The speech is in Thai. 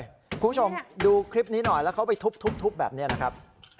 คุณผู้ชมดูคลิปนี้หน่อยแล้วเขาไปทุบแบบนี้นะครับ